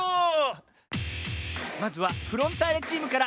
まずはフロンターレチームから。